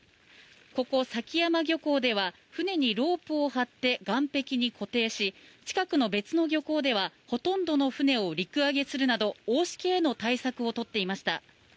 ここ崎山漁港では船にロープを張って岸壁に固定し近くの別の漁港ではほとんどの船を陸揚げするなど大しけへの対策を取っていました。